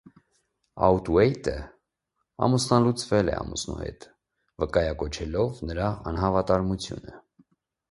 Աուտուեյտը ամուսնալուծվել է ամուսնու հետ, վկայակոչելով նրա անհավատարմությունը։